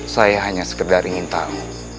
saya hanya sekedar ingin tahu